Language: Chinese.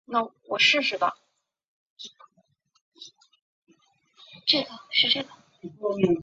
康熙二十六年中式丁卯科江南乡试举人。